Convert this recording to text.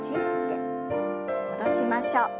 戻しましょう。